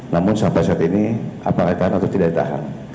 namun sampai saat ini apakah tahan atau tidak ditahan